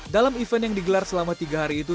dalam event yang digelar selama tiga hari itu